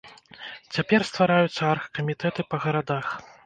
Цяпер ствараюцца аргкамітэты па гарадах.